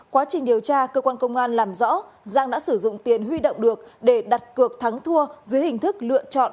quá trình điều tra cơ quan công an làm rõ giang đã sử dụng tiền huy động được để đặt cược thắng thua dưới hình thức lựa chọn